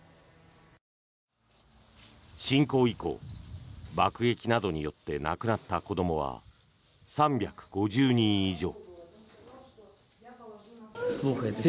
侵攻以降、爆撃などによって亡くなった子どもは３５０人以上。